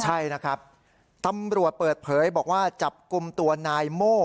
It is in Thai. ใช่นะครับตำรวจเปิดเผยบอกว่าจับกลุ่มตัวนายโม่